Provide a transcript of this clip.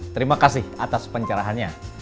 terima kasih atas pencerahannya